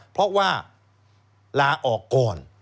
เพราะว่าลาออกก่อน